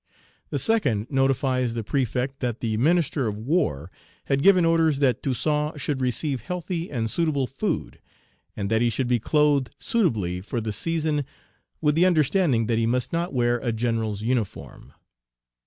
The second notifies the Prefect that the Minister of War had given orders that Toussaint should receive healthy and suitable food, and that he should be clothed suitably for the season, with the understanding that he must not wear a general's uniform.